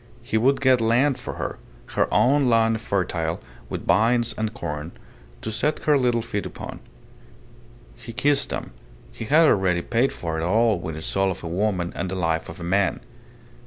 He would get land for her her own land fertile with vines and corn to set her little feet upon. He kissed them. ... He had already paid for it all with the soul of a woman and the life of a man.